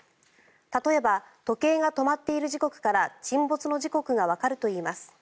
例えば時計が止まっている時刻から沈没の時刻がわかるといいます。